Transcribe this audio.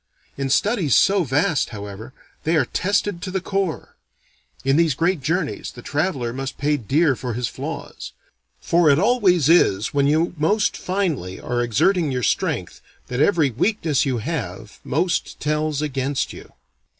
In studies so vast, however, they are tested to the core. In these great journeys the traveller must pay dear for his flaws. For it always is when you most finely are exerting your strength that every weakness you have most tells against you.